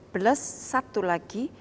plus satu lagi